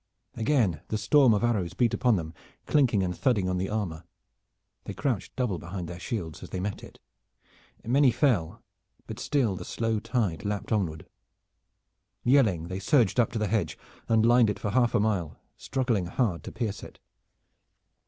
Again the storm of arrows beat upon them clinking and thudding on the armor. They crouched double behind their shields as they met it. Many fell, but still the slow tide lapped onward. Yelling, they surged up to the hedge, and lined it for half a mile, struggling hard to pierce it.